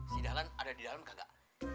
si dahlan ada di dalam kakak